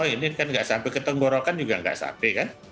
ini kan nggak sampai ke tenggorokan juga nggak sampai kan